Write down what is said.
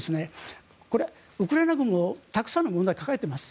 ウクライナ軍もたくさんの問題を抱えています。